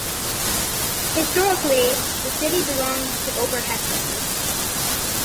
Historically, the city belongs to Oberhessen.